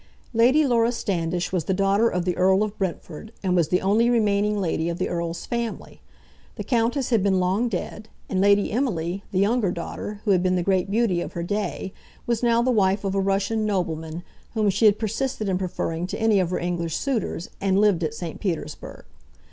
Lady Laura Standish was the daughter of the Earl of Brentford, and was the only remaining lady of the Earl's family. The Countess had been long dead; and Lady Emily, the younger daughter, who had been the great beauty of her day, was now the wife of a Russian nobleman whom she had persisted in preferring to any of her English suitors, and lived at St. Petersburg.